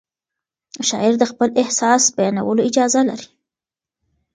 شاعر د خپل احساس بیانولو اجازه لري.